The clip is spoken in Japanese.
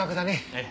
ええ。